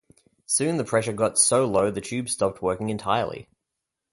Soon the pressure got so low the tube stopped working entirely.